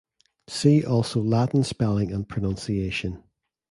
See also Latin spelling and pronunciation.